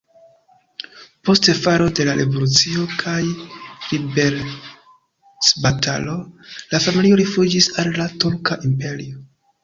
Post falo de la revolucio kaj liberecbatalo la familio rifuĝis al la Turka Imperio.